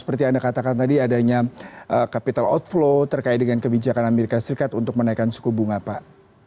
seperti anda katakan tadi adanya capital outflow terkait dengan kebijakan amerika serikat untuk menaikkan suku bunga pak